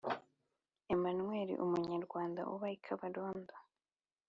Emmanuel umunyarwanda uba i Kabarondo